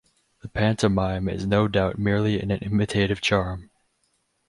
The pantomime is no doubt merely an imitative charm.